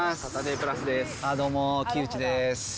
どうも、木内です。